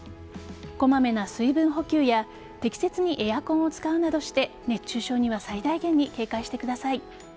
こまめな水分補給や適切にエアコンを使うなどして熱中症には最大限に警戒してください。